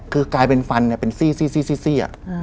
คือกลายเป็นฟันเนี้ยเป็นซี่ซี่ซี่ซี่ซี่อ่ะอ่า